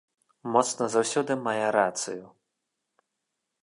Моцны заўсёды мае рацыю.